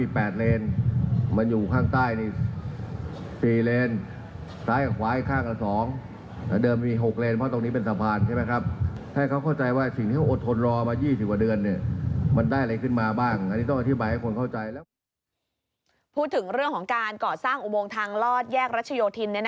พูดถึงเรื่องของการก่อสร้างอุโมงทางลอดแยกรัชโยธิน